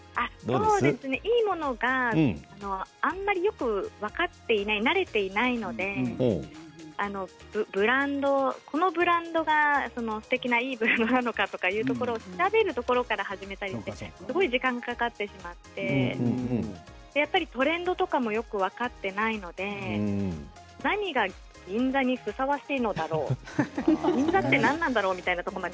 いいものがあまりよく分かっていない慣れていないのでこのブランドがすてきないいブランドなのかとか調べるところから始めたりしてすごい時間がかかってしまってやっぱりトレンドとかもよく分かっていないので何が銀座にふさわしいのかとか。